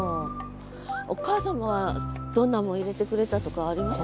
お母様はどんなもん入れてくれたとかあります？